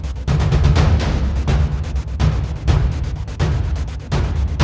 setelah bagianulang dari sisa semuanya